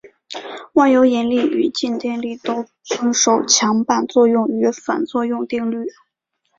万有引力与静电力都遵守强版作用与反作用定律。